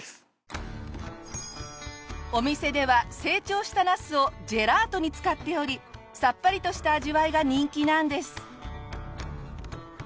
お店では成長したナスをジェラートに使っておりさっぱりとした味わいが人気なんです。